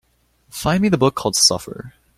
Find me the book called Suffer